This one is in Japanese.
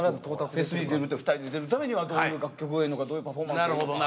フェスに出るって２人で出るためにはどういう楽曲がええのかどういうパフォーマンスがええのか。